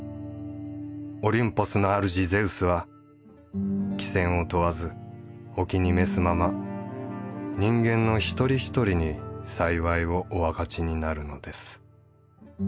オリュンポスの主ゼウスは貴賤を問わずお気に召すまま人間の一人一人に幸いをお頒ちになるのです。